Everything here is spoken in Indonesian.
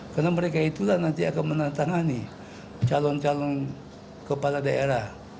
karena mereka itulah nanti akan menantangani calon calon kepala daerah